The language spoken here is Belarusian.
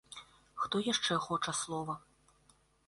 Хто яшчэ хоча слова?